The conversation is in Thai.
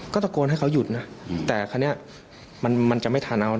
ก็ตะโกนให้เขาหยุดนะแต่คราวนี้มันจะไม่ทันเอา